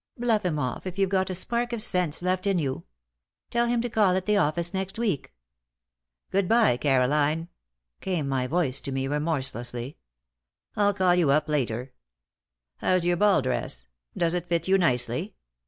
Bluff him off, if you've got a spark of sense left in you. Tell him to call at the office next week." "Good bye, Caroline," came my voice to me, remorselessly. "I'll call you up again later. How's your ball dress? Does it fit you nicely?